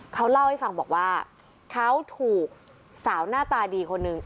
เขาเล่าให้ฟังบอกว่าเขาถูกสาวหน้าตาดีคนหนึ่ง